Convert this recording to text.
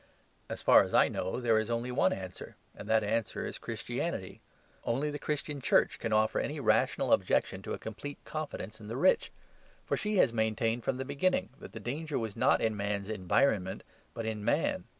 As far as I know, there is only one answer, and that answer is Christianity. Only the Christian Church can offer any rational objection to a complete confidence in the rich. For she has maintained from the beginning that the danger was not in man's environment, but in man.